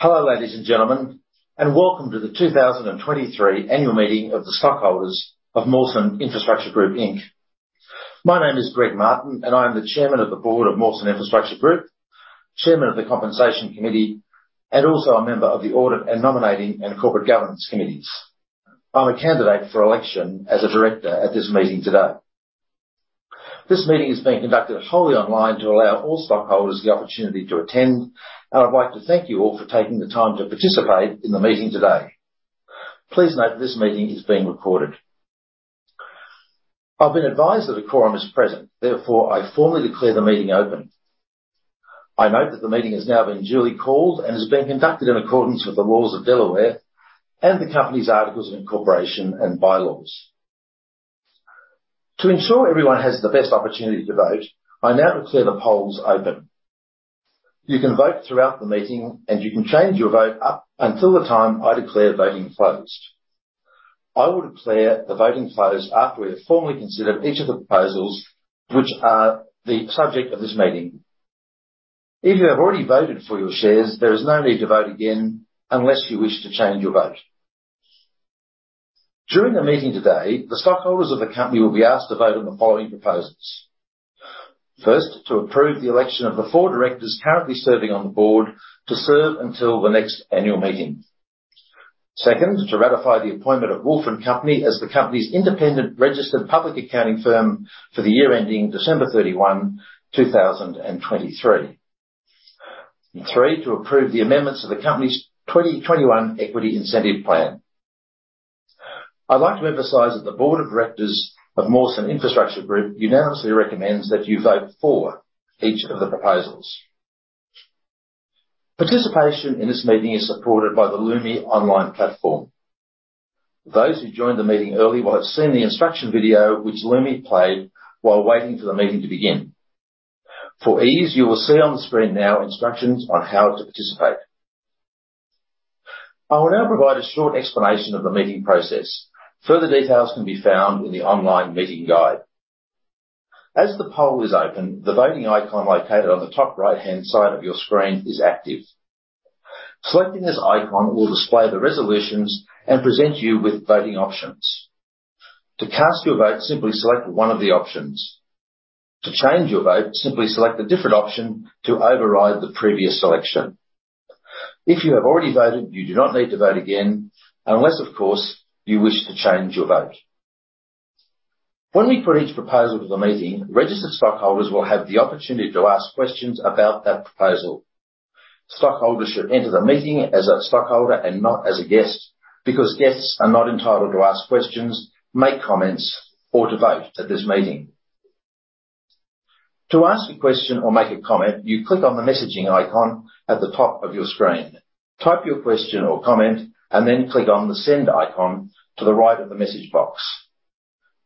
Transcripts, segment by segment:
Hello, ladies and gentlemen, and welcome to the 2023 annual meeting of the stockholders of Mawson Infrastructure Group Inc. My name is Greg Martin, and I am the Chairman of the Board of Mawson Infrastructure Group, Chairman of the Compensation Committee, and also a member of the Audit and Nominating and Corporate Governance Committees. I'm a candidate for election as a director at this meeting today. This meeting is being conducted wholly online to allow all stockholders the opportunity to attend, and I'd like to thank you all for taking the time to participate in the meeting today. Please note that this meeting is being recorded. I've been advised that a quorum is present, therefore, I formally declare the meeting open. I note that the meeting has now been duly called and is being conducted in accordance with the laws of Delaware and the company's articles of incorporation and bylaws. To ensure everyone has the best opportunity to vote, I now declare the polls open. You can vote throughout the meeting, and you can change your vote up until the time I declare voting closed. I will declare the voting closed after we have formally considered each of the proposals which are the subject of this meeting. If you have already voted for your shares, there is no need to vote again unless you wish to change your vote. During the meeting today, the stockholders of the company will be asked to vote on the following proposals. First, to approve the election of the four directors currently serving on the board to serve until the next annual meeting. Second, to ratify the appointment of Wolf & Company as the company's independent registered public accounting firm for the year ending December 31, 2023. Three, to approve the amendments of the company's 2021 Equity Incentive Plan. I'd like to emphasize that the board of directors of Mawson Infrastructure Group unanimously recommends that you vote for each of the proposals. Participation in this meeting is supported by the Lumi online platform. Those who joined the meeting early will have seen the instruction video which Lumi played while waiting for the meeting to begin. For ease, you will see on the screen now instructions on how to participate. I will now provide a short explanation of the meeting process. Further details can be found in the online meeting guide. As the poll is open, the voting icon located on the top right-hand side of your screen is active. Selecting this icon will display the resolutions and present you with voting options. To cast your vote, simply select one of the options. To change your vote, simply select a different option to override the previous selection. If you have already voted, you do not need to vote again, unless, of course, you wish to change your vote. When we put each proposal to the meeting, registered stockholders will have the opportunity to ask questions about that proposal. Stockholders should enter the meeting as a stockholder and not as a guest, because guests are not entitled to ask questions, make comments, or to vote at this meeting. To ask a question or make a comment, you click on the messaging icon at the top of your screen, type your question or comment, and then click on the send icon to the right of the message box.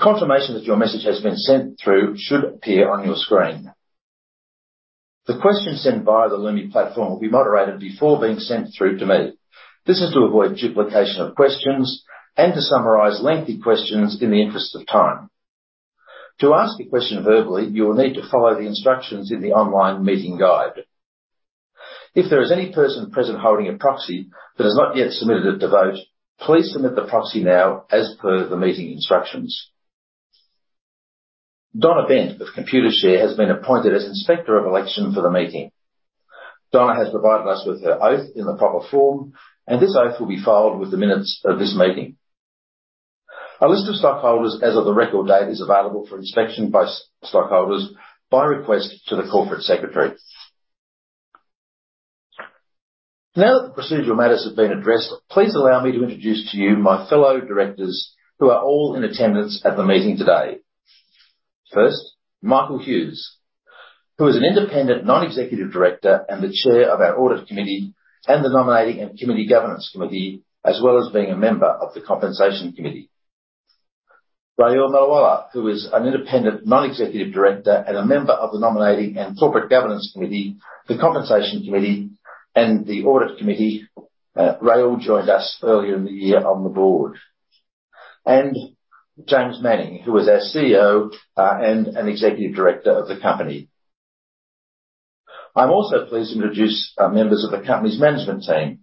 Confirmation that your message has been sent through should appear on your screen. The question sent via the Lumi platform will be moderated before being sent through to me. This is to avoid duplication of questions and to summarize lengthy questions in the interest of time. To ask a question verbally, you will need to follow the instructions in the online meeting guide. If there is any person present holding a proxy that has not yet submitted it to vote, please submit the proxy now as per the meeting instructions. Donna Bent with Computershare has been appointed as Inspector of Election for the meeting. Donna has provided us with her oath in the proper form, and this oath will be filed with the minutes of this meeting. A list of stockholders as of the record date is available for inspection by stockholders by request to the Corporate Secretary. Now that the procedural matters have been addressed, please allow me to introduce to you my fellow directors who are all in attendance at the meeting today. First, Michael Hughes, who is an independent non-executive Director and the Chair of our Audit Committee and the Nominating and Corporate Governance Committee, as well as being a member of the Compensation Committee. Rahul Mewawalla, who is an independent non-executive Director and a member of the Nominating and Corporate Governance Committee, the Compensation Committee, and the Audit Committee. Rahul joined us earlier in the year on the board. James Manning, who is our CEO, and an executive Director of the company. I'm also pleased to introduce members of the company's management team.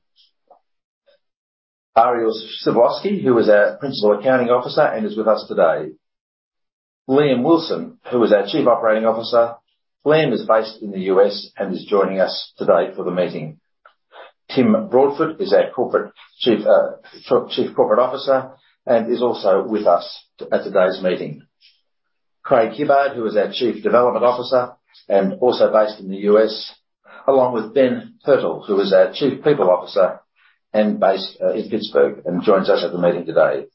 Ariel Sivikofsky, who is our Principal Accounting Officer and is with us today. Liam Wilson, who is our Chief Operating Officer. Liam is based in the U.S. and is joining us today for the meeting. Tim Broadfoot is our Chief Corporate Officer and is also with us at today's meeting. Craig Hibbard, who is our Chief Development Officer and also based in the U.S., along with Ben Pirtle, who is our Chief People Officer and based in Pittsburgh and joins us at the meeting today.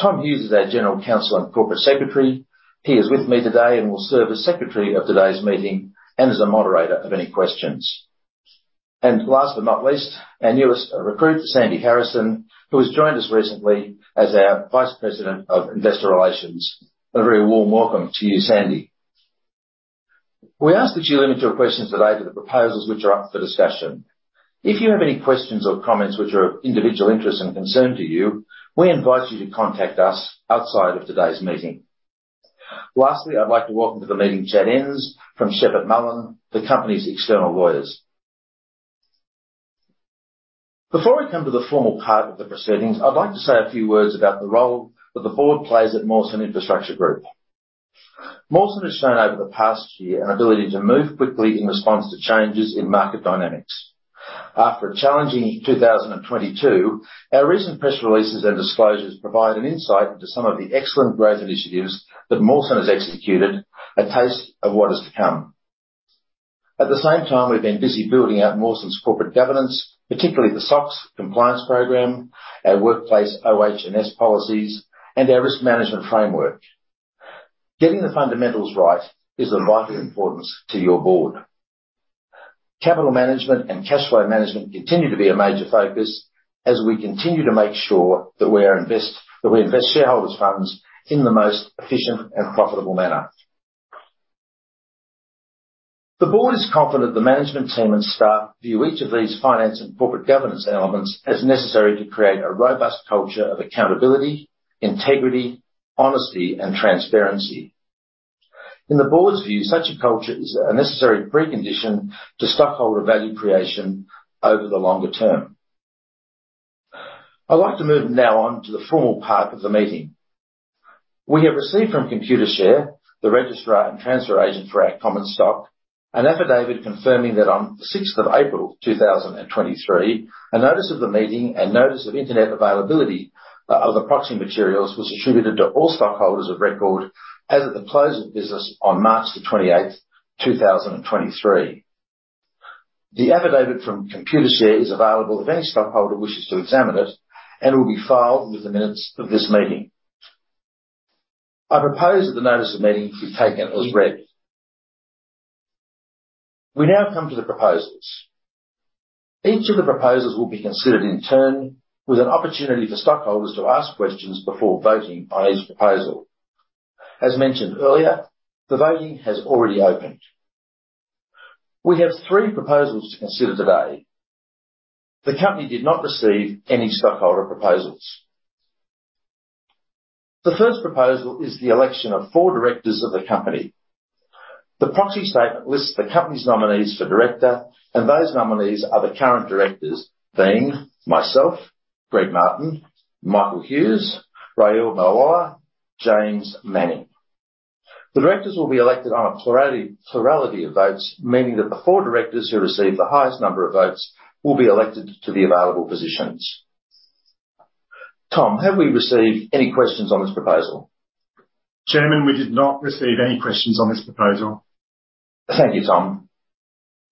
Tom Hughes is our General Counsel and Corporate Secretary. He is with me today and will serve as Secretary of today's meeting and as the moderator of any questions. Last but not least, our newest recruit, Sandy Harrison, who has joined us recently as our Vice President of Investor Relations. A very warm welcome to you, Sandy. We ask that you limit your questions today to the proposals which are up for discussion. If you have any questions or comments which are of individual interest and concern to you, we invite you to contact us outside of today's meeting. Lastly, I'd like to welcome to the meeting Chad Enns from Sheppard Mullin, the company's external lawyers. Before we come to the formal part of the proceedings, I'd like to say a few words about the role that the board plays at Mawson Infrastructure Group. Mawson has shown over the past year an ability to move quickly in response to changes in market dynamics. After a challenging 2022, our recent press releases and disclosures provide an insight into some of the excellent growth initiatives that Mawson has executed, a taste of what is to come. At the same time, we've been busy building out Mawson's corporate governance, particularly the SOX compliance program, our workplace OH&S policies, and our risk management framework. Getting the fundamentals right is of vital importance to your board. Capital management and cash flow management continue to be a major focus as we continue to make sure that we invest shareholders' funds in the most efficient and profitable manner. The board is confident the management team and staff view each of these finance and corporate governance elements as necessary to create a robust culture of accountability, integrity, honesty, and transparency. In the board's view, such a culture is a necessary precondition to stockholder value creation over the longer term. I'd like to move now on to the formal part of the meeting. We have received from Computershare, the registrar and transfer agent for our common stock, an affidavit confirming that on the 6th of April 2023, a notice of the meeting and notice of internet availability of the proxy materials was attributed to all stockholders of record as of the close of business on March the 28th 2023. The affidavit from Computershare is available if any stockholder wishes to examine it and will be filed with the minutes of this meeting. I propose that the notice of meeting be taken as read. We now come to the proposals. Each of the proposals will be considered in turn, with an opportunity for stockholders to ask questions before voting on each proposal. As mentioned earlier, the voting has already opened. We have three proposals to consider today. The company did not receive any stockholder proposals. The first proposal is the election of four directors of the company. The proxy statement lists the company's nominees for director, and those nominees are the current directors, being myself, Greg Martin, Michael Hughes, Rahul Mewawalla, James Manning. The directors will be elected on a plurality of votes, meaning that the four directors who receive the highest number of votes will be elected to the available positions. Tom, have we received any questions on this proposal? Chairman, we did not receive any questions on this proposal. Thank you, Tom.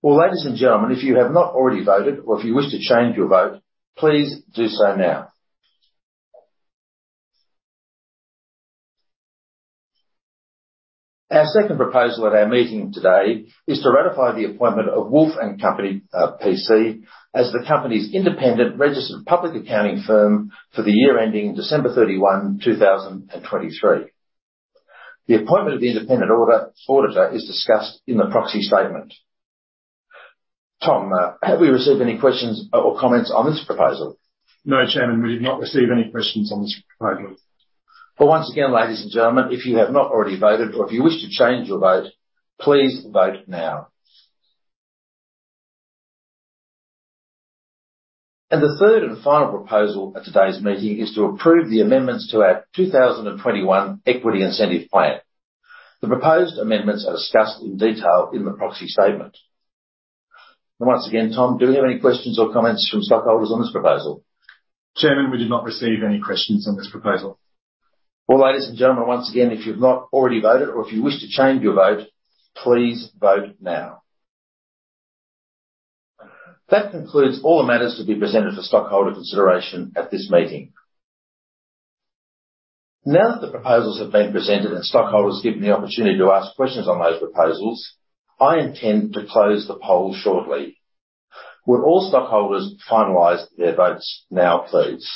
Ladies and gentlemen, if you have not already voted or if you wish to change your vote, please do so now. Our second proposal at our meeting today is to ratify the appointment of Wolf & Company, P.C., as the company's independent registered public accounting firm for the year ending December 31, 2023. The appointment of the independent auditor is discussed in the proxy statement. Tom, have we received any questions or comments on this proposal? No, Chairman, we did not receive any questions on this proposal. Well, once again, ladies and gentlemen, if you have not already voted or if you wish to change your vote, please vote now. The third and final proposal at today's meeting is to approve the amendments to our 2021 Equity Incentive Plan. The proposed amendments are discussed in detail in the proxy statement. Once again, Tom, do we have any questions or comments from stockholders on this proposal? Chairman, we did not receive any questions on this proposal. Well, ladies and gentlemen, once again, if you've not already voted or if you wish to change your vote, please vote now. That concludes all the matters to be presented for stockholder consideration at this meeting. Now that the proposals have been presented and stockholders given the opportunity to ask questions on those proposals, I intend to close the poll shortly. Would all stockholders finalize their votes now, please.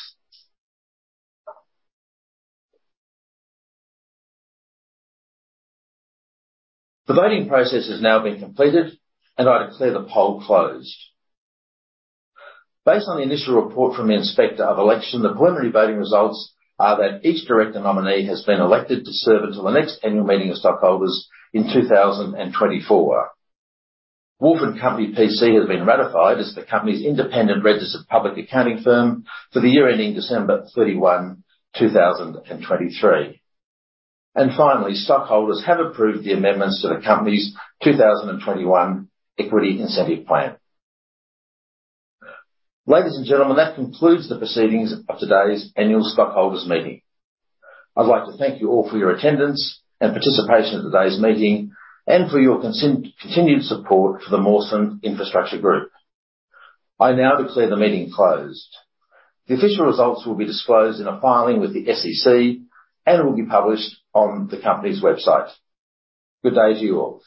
The voting process has now been completed, and I declare the poll closed. Based on the initial report from the Inspector of Election, the preliminary voting results are that each director nominee has been elected to serve until the next annual meeting of stockholders in 2024. Wolf & Company, P.C. has been ratified as the company's independent registered public accounting firm for the year ending December 31, 2023. Finally, stockholders have approved the amendments to the company's 2021 Equity Incentive Plan. Ladies and gentlemen, that concludes the proceedings of today's annual stockholders meeting. I'd like to thank you all for your attendance and participation in today's meeting and for your continued support for the Mawson Infrastructure Group. I now declare the meeting closed. The official results will be disclosed in a filing with the SEC and will be published on the company's website. Good day to you all.